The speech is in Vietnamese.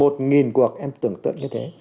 tặng một cuộc em tưởng tượng như thế